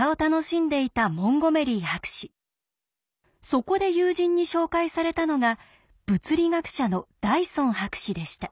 そこで友人に紹介されたのが物理学者のダイソン博士でした。